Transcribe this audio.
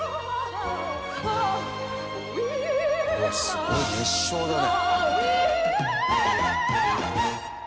「すごい。熱唱だね」